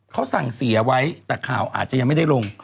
เขาสั่งเสียไว้แต่ข่าวอาจจะยังไม่ได้ลง